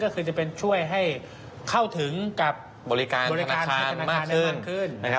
ก็คือจะเป็นช่วยให้เข้าถึงกับบริการบริการมากขึ้น